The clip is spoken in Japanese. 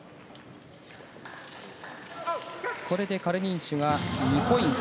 これでカルニンシュが２ポイント。